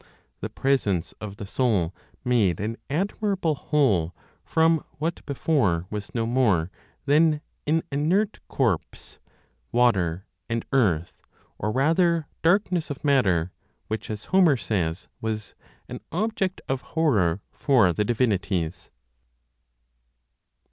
The presence of the Soul made an admirable whole from what before was no more than in inert corpse, water and earth, or rather, darkness of matter, which, as Homer says, was an "object of horror for the divinities."